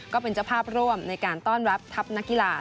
ก็เป็นเจ้าภาพร่วมในการต้อนรับทัพนักกีฬา